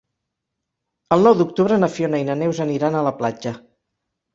El nou d'octubre na Fiona i na Neus aniran a la platja.